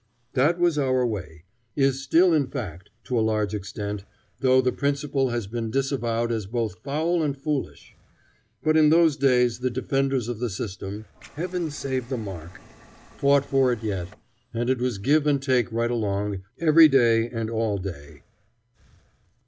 That was our way; is still in fact, to a large extent, though the principle has been disavowed as both foul and foolish. But in those days the defenders of the system Heaven save the mark! fought for it yet, and it was give and take right along, every day and all day.